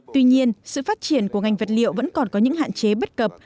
tuy nhiên sự phát triển của ngành vật liệu vẫn còn có những hạn chế bất cập